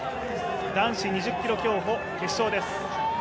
男子２０ｋｍ競歩決勝です。